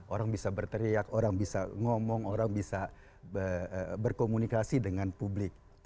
orang bisa berteriak orang bisa ngomong orang bisa berkomunikasi dengan publik